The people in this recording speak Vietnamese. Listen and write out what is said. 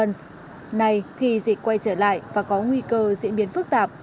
này khi dịch quay trở lại và có nguy cơ diễn biến phức tạp